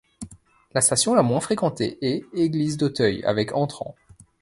La station la moins fréquentée est Église d'Auteuil, avec entrants.